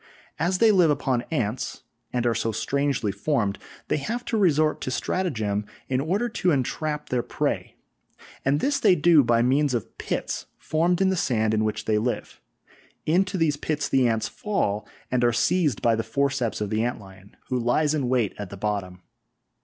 As they live upon ants and are so strangely formed, they have to resort to stratagem in order to entrap their prey, and this they do by means of pits formed in the sand in which they live; into these pits the ants fall, and are seized by the forceps of the ant lion, who lies in wait at the bottom.